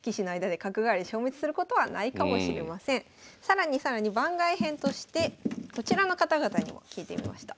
更に更に番外編としてこちらの方々にも聞いてみました。